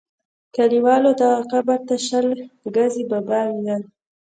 کلیوالو دغه قبر ته شل ګزی بابا ویل.